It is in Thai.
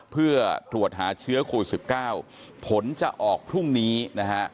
เพื่อตรวจหาเชื้อโควิด๑๙ผลจะออกพรุ่งนี้นะฮะ